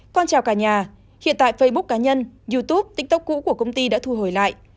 con trào cả nhà hiện tại facebook cá nhân youtube tiktok cũ của công ty đã thu hồi lại